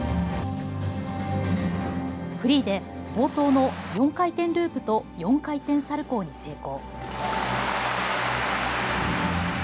フリーで冒頭の４回転ループと４回転サルコーに成功。